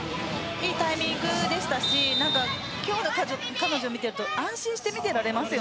いいタイミングでしたし今日の彼女は見てると安心して見ていられます。